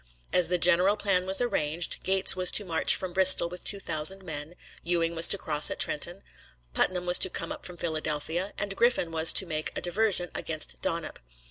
As the general plan was arranged, Gates was to march from Bristol with two thousand men; Ewing was to cross at Trenton; Putnam was to come up from Philadelphia; and Griffin was to make a diversion against Donop.